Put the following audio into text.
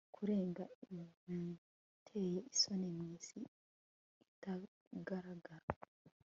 Kurenga ibiteye isoni mwisi itagaragara